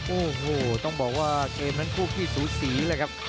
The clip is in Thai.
โอ้โหต้องบอกว่าเกมนั้นคู่ขี้สูสีเลยครับ